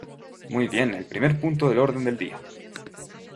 Muy bien, el primer punto del orden del día.